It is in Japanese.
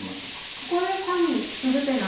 ここで単にツグ手が。